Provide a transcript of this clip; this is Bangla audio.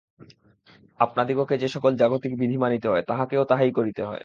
আপনাদিগকে যে-সকল জাগতিক বিধি মানিতে হয়, তাঁহাকেও তাহাই করিতে হয়।